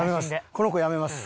この子やめます。